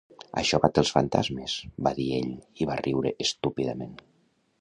"Això bat els fantasmes", va dir ell i va riure estúpidament.